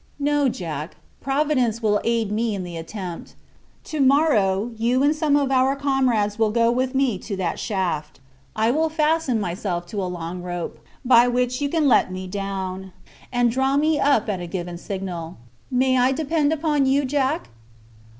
"No, Jack, Providence will aid me in the attempt. Tomorrow, you and some of our comrades will go with me to that shaft. I will fasten myself to a long rope, by which you can let me down, and draw me up at a given signal. I may depend upon you, Jack?"